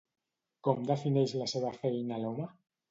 Com defineix la seva feina l'home?